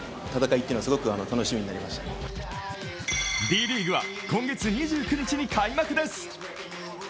Ｄリーグは今月２９日に開幕です。